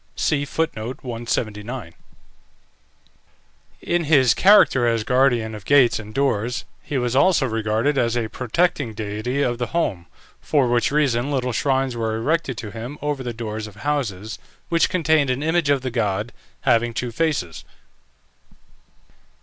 In his character as guardian of gates and doors, he was also regarded as a protecting deity of the home, for which reason little shrines were erected to him over the doors of houses, which contained an image of the god, having two faces.